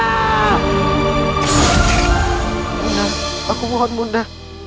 bunda aku mohon bunda